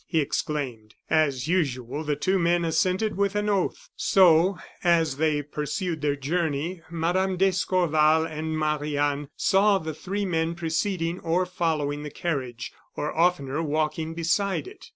he exclaimed. As usual, the two men assented with an oath. So, as they pursued their journey, Mme. d'Escorval and Marie Anne saw the three men preceding or following the carriage, or oftener walking beside it.